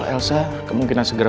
kenapa gak dihentikan aja no